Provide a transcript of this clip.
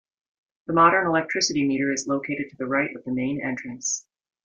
The modern electricity meter is located to the right of the main entrance.